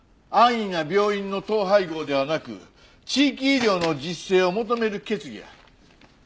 安易な病院の統廃合ではなく地域医療の自主性を求める決議や。